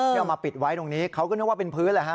เอามาปิดไว้ตรงนี้เขาก็นึกว่าเป็นพื้นแหละฮะ